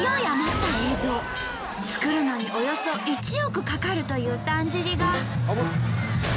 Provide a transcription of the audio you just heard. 作るのにおよそ１億かかるというだんじりが。